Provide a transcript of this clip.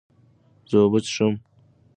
زه اوبه څښم.